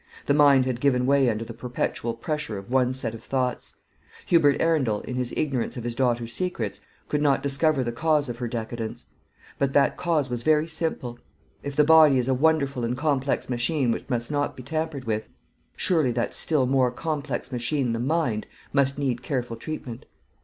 The mind had given way under the perpetual pressure of one set of thoughts. Hubert Arundel, in his ignorance of his daughter's secrets, could not discover the cause of her decadence; but that cause was very simple. If the body is a wonderful and complex machine which must not be tampered with, surely that still more complex machine the mind must need careful treatment.